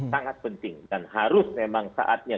sangat penting dan harus memang saatnya